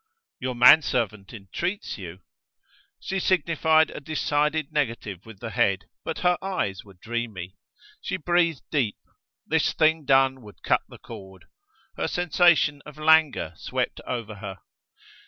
"Your man servant entreats you!" She signified a decided negative with the head, but her eyes were dreamy. She breathed deep: this thing done would cut the cord. Her sensation of languor swept over her.